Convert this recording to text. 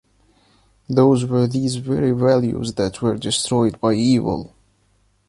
Those were these very values that were destroyed by evil.